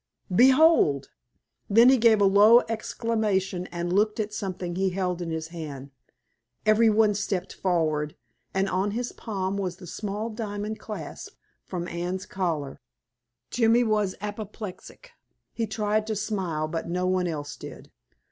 Behold!" Then he gave a low exclamation and looked at something he held in his hand. Every one stepped forward, and on his palm was the small diamond clasp from Anne's collar! Jimmy was apoplectic. He tried to smile, but no one else did.